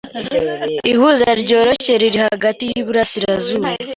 Ihuza ryoroshye riri hagati yuburasirazuba